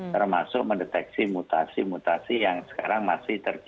termasuk mendeteksi mutasi mutasi yang sekarang masih terjadi